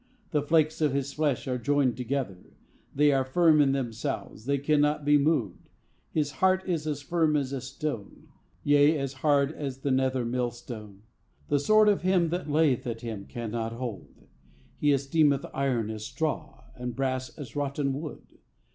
The flakes of his flesh are joined together. They are firm in themselves, they cannot be moved. His heart is as firm as a stone, yea, as hard as the nether millstone. The sword of him that layeth at him cannot hold. He esteemeth iron as straw, and brass as rotten wood.